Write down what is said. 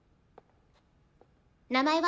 名前は？